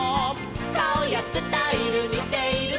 「かおやスタイルにているか」